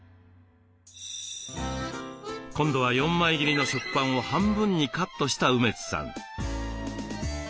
今度は４枚切りの食パンを半分にカットした梅津さん。